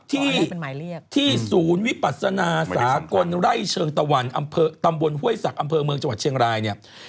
ที่ศูนย์วิปัสนาสากลไร่เชิงตะวันอำเภอตำบลห้วยศักดิ์อำเภอเมืองจังหวัดเชียงรายเนี่ย